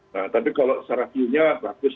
nah tapi kalau secara view nya bagus